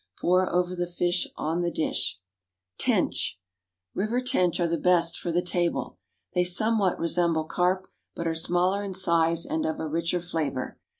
Pour over the fish on the dish. =Tench.= River tench are the best for the table. They somewhat resemble carp, but are smaller in size and of a richer flavour.